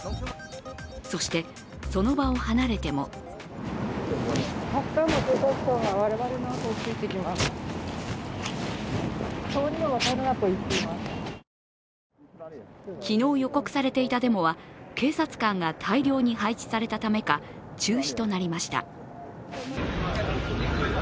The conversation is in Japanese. そして、その場を離れても昨日予告されていたデモは警察官が大量に配置されたためか中止となりました。